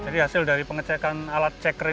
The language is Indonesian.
tidak ada yang bisa diteliti